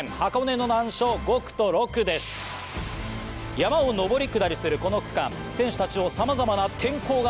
山を上り下りするこの区間選手たちをさまざまな天候が襲います